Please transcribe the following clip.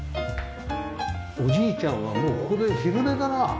おじいちゃんはもうここで昼寝だな。